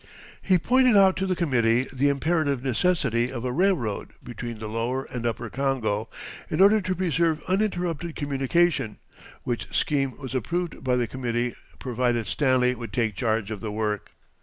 He pointed out to the committee the imperative necessity of a railroad between the Lower and Upper Congo in order to preserve uninterrupted communication, which scheme was approved by the committee provided Stanley would take charge of the work.